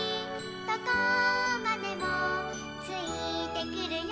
どこまでもついてくるよ」